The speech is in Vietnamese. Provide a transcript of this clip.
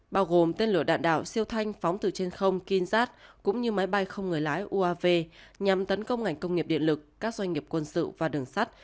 bao gồm tên lửa đạn đạo siêu thanh phóng từ trên không kinzat cũng như máy bay không người lái uav nhằm tấn công ngành công nghiệp điện lực các doanh nghiệp quân sự và đường sắt